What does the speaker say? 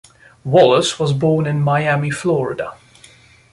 Wallace was born in Miami, Florida.